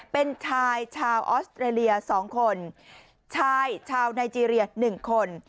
เป็นชายชาวออสเตรเลีย๒คนชายชาวไนเจรีย๑คน